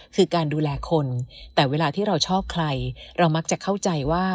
คือการดูแลคนแต่เวลาที่เราชอบใครเรามักจะเข้าใจว่า